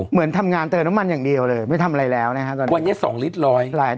เหมือนทำงานเติบมันอย่างเดียวเลยไม่ทำอะไรแล้ววันนี้๒ลิตร๑๐๐กรับ